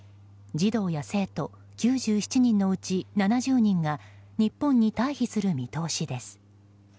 児童や生徒９７人のうち７０人が日本に退避する見通しです。